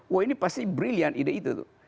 wah ini pasti brilliant ide itu tuh